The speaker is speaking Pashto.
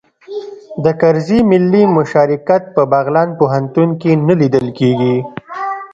د کرزي ملي مشارکت په بغلان پوهنتون کې نه لیدل کیږي